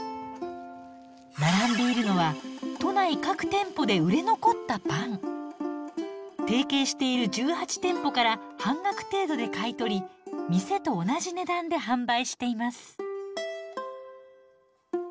並んでいるのは都内提携している１８店舗から半額程度で買い取り店と同じ値段で販売しています。